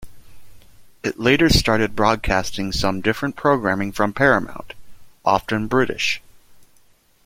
It later started broadcasting some different programming from Paramount, often British.